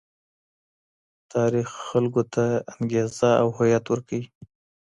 تاريخ خلګو ته انګېزه او هويت ورکوي.